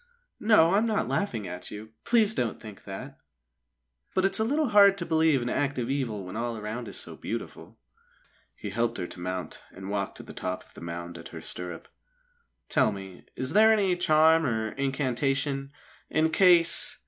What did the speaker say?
"No, I'm not laughing at you. Please don't think that! But it's a little hard to believe in active evil when all around is so beautiful." He helped her to mount and walked to the top of the mound at her stirrup. "Tell me, is there any charm or incantation, in case